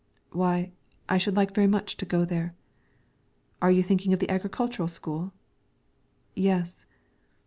"Why, I should like very much to go there." "Are you thinking of the agricultural school?" "Yes."